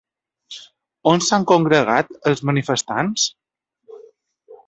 On s'han congregat els manifestants?